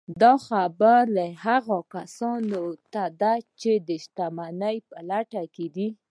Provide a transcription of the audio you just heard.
دا خبره هغو کسانو ته ده چې د شتمنۍ په لټه کې دي